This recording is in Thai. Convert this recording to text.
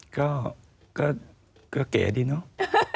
ก็ก็ก็เก๋ดีเนาะ